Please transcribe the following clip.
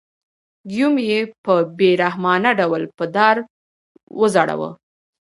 ګیوم یې په بې رحمانه ډول په دار وځړاوه.